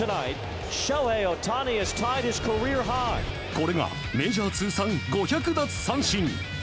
これがメジャー通算５００奪三振。